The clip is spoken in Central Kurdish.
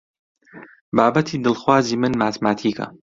بابەتی دڵخوازی من ماتماتیکە.